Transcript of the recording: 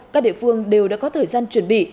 các địa phương đều đã có thời gian chuẩn bị